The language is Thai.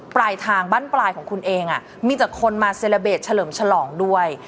ปลายทางบ้านปลายของคุณเองมีแต่คนมาเซลเบสเฉลิมฉลองด้วย